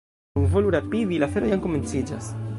Bonvolu rapidi, la afero jam komenciĝas.